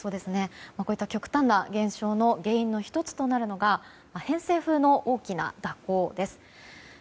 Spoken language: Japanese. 極端な現象の原因の１つとなるのが偏西風の大きな蛇行です。